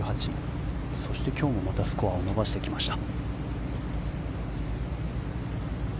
そして今日もまたスコアを伸ばしてきました。